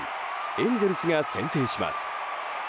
エンゼルスが先制します。